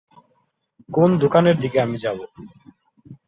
কোন দোকানের দিকে আমি যাবো?